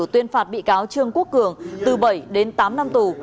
tuyên phạt bị cáo trương quốc cường từ bảy đến tám năm tù